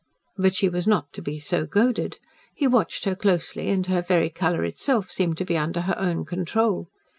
But she was not to be so goaded. He watched her closely and her very colour itself seemed to be under her own control.